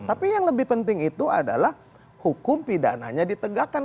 tapi yang lebih penting itu adalah hukum pidananya ditegakkan